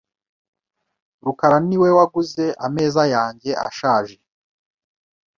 rukara niwe waguze ameza yanjye ashaje .